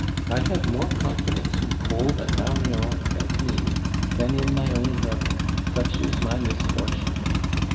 I have more confidence in Kolb and Marion and Basine than in my own brother; such is my misfortune.